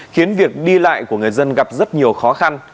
khiến việc đi lại của người dân gặp rất nhiều khó khăn